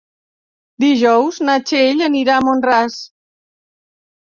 Dijous na Txell anirà a Mont-ras.